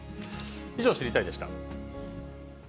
以上、知りたいッ！でした。